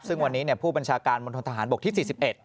ซึ่งวันนี้เนี่ยผู้บัญชาการมนตรฐานบกที่สี่สิบเอ็ด